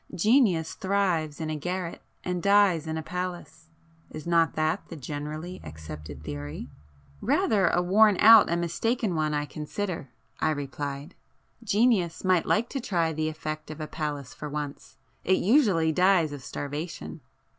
Genius thrives in a garret and dies in a palace,—is not that the generally accepted theory?" "Rather a worn out and mistaken one I consider,"—I replied; "Genius might like to try the effect of a palace for once,—it usually dies of starvation."